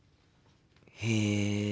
へえ。